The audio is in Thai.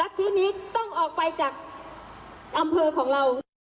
ที่นี้ต้องออกไปจากอำเภอของเรา